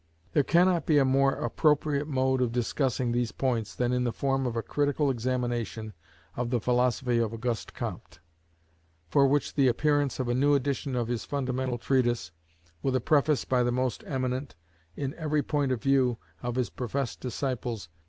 There cannot be a more appropriate mode of discussing these points than in the form of a critical examination of the philosophy of Auguste Comte; for which the appearance of a new edition of his fundamental treatise, with a preface by the most eminent, in every point of view, of his professed disciples, M.